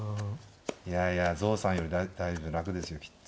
いやいや象さんよりだいぶん楽ですよきっと。